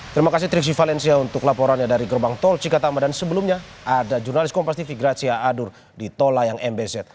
terima kasih triksi valencia untuk laporannya dari gerbang tol cikatama dan sebelumnya ada jurnalis kompas tv gracia adur di tol layang mbz